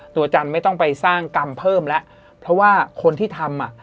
อาจารย์ไม่ต้องไปสร้างกรรมเพิ่มแล้วเพราะว่าคนที่ทำอ่ะ